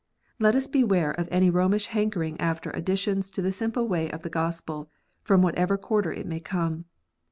Let us beware of any Romish hankering after additions to the simple way of the Gospel, from whatever quarter it may come.